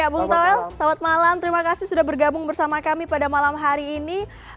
ya bung toel selamat malam terima kasih sudah bergabung bersama kami pada malam hari ini